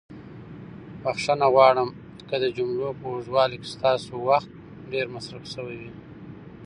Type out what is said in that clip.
بښنه غواړم که د جملو په اوږدوالي کې ستاسو وخت ډېر مصرف شوی وي.